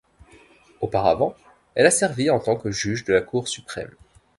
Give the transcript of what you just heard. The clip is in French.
Auparavant, elle a servi en tant que juge de la Cour Suprême.